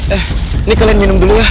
eh ini kalian minum dulu ya